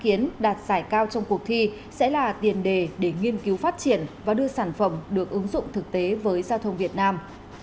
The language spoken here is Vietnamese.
dự kiến đạt giải cao trong cuộc thi sẽ là tiền đề để nghiên cứu phát triển và đưa sản phẩm được ứng dụng thực tế với giao thông việt nam